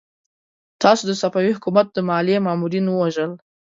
تاسو د صفوي حکومت د ماليې مامورين ووژل!